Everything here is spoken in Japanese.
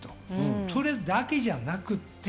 それだけじゃなくて。